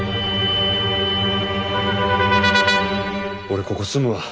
俺ここ住むわ。